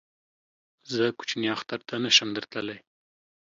زه کوچني اختر ته نه شم در تللی